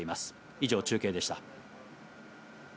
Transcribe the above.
以上、中継でした。